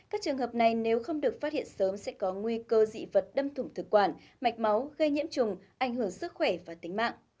các trường hợp này nếu không được phát hiện sớm sẽ có nguy cơ dị vật đâm thủng thực quản mạch máu gây nhiễm trùng ảnh hưởng sức khỏe và tính mạng